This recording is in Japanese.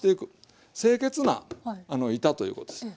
清潔な板ということです。